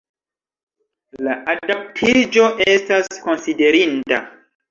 La adaptiĝo estas konsiderinda.